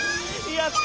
やった！